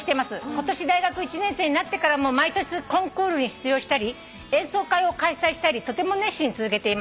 「今年大学１年生になってからもコンクールに出場したり演奏会を開催したりとても熱心に続けています」